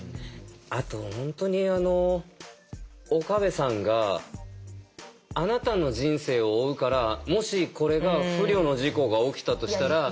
あと本当にあの岡部さんが「あなたの人生を負うからもしこれが不慮の事故が起きたとしたら」。